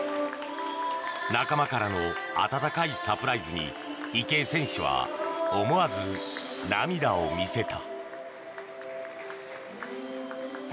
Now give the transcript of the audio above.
仲間からの温かいサプライズに池江選手は思わず涙を見せた。